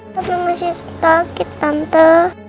tapi masih sakit tante